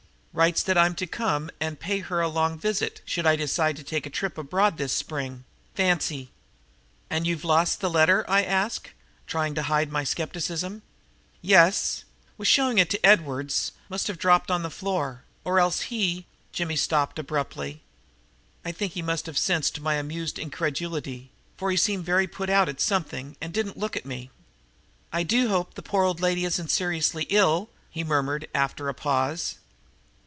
Writes that I'm to come and pay her a long visit should I decide to take a trip abroad this Spring. Fancy!" "And you've lost the letter?" I asked, trying to hide my skepticism. "Yes was showing it to Edwards must have dropped on the floor or else he " Jimmy stopped abruptly. I think he must have sensed my amused incredulity, for he seemed very put out at something and didn't look at me. "I do hope the poor old lady isn't seriously ill," he murmured after a pause.